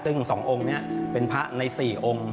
ซึ่ง๒องค์นี้เป็นพระใน๔องค์